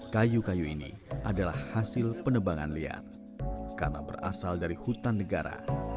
kayu kayu ini adalah hasil penebangan liar karena berasal dari hutan negara